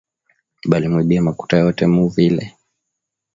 Balimwiba makuta yote mu ville